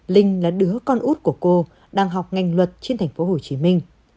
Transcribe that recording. linh là đứa con út của cô đang học ngành luật trên thành phố hồ chí minh